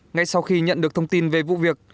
ngay sau khi nhận được thông tin về vụ việc